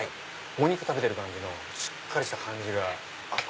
お肉食べてる感じのしっかりした感じがあって。